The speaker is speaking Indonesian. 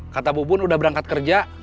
kata bu pun udah berangkat kerja